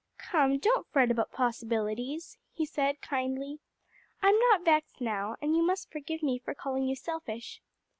"Come, don't fret about possibilities," he said, kindly. "I'm not vexed now, and you must forgive me for calling you selfish."